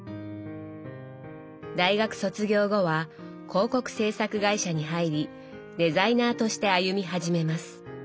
大学卒業後は広告制作会社に入りデザイナーとして歩み始めます。